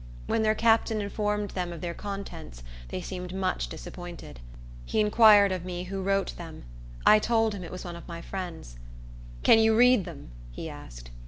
When their captain informed them of their contents, they seemed much disappointed. He inquired of me who wrote them. I told him it was one of my friends. "Can you read them?" he asked.